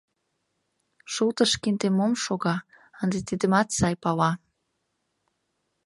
Шултыш кинде мом шога — ынде тидымат сай пала.